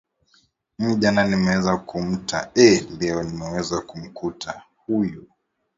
mimi jana nimeweza kumkuta eeh leo nimeweza kumkuta huyo